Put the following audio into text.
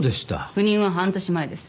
赴任は半年前です。